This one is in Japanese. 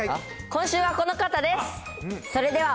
今週はこの方です。